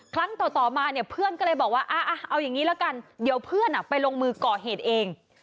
ครั้งต่อมาเนี่ยเพื่อนก็เลยบอกว่าเอาอย่างนี้ละกันเดี๋ยวเพื่อนไปลงมือก่อเหตุเอง